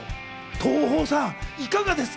東宝さん、いかがですか？